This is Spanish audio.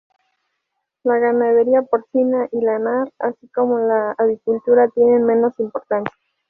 La ganadería porcina y lanar, así como la avicultura tienen menos importancia.